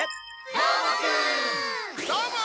どーも！